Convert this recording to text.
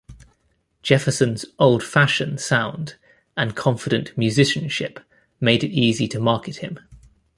Jefferson's "old-fashioned" sound and confident musicianship made it easy to market him.